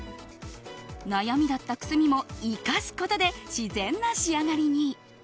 悩みだったくすみも生かすことで自然な仕上がりに。